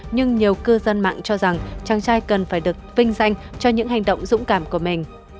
nhưng nhiều cư dân mạng cho rằng chàng trai cần phải được vinh danh cho những hành động dũng cảm của mình